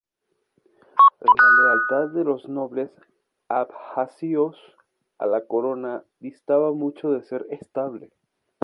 La lealtad de los nobles Abjasios a la corona distaba mucho de ser estable.